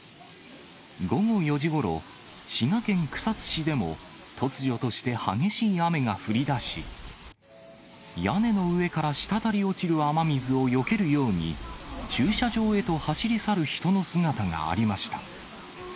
午後４時ごろ、滋賀県草津市でも、突如として激しい雨が降りだし、屋根の上から滴り落ちる雨水をよけるように、駐車場へと走り去る人の姿がありました。